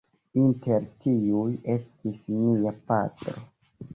Inter tiuj estis mia patro.